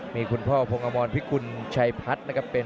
มีคุณพ่อพรงอมรพิกุลชัยพัท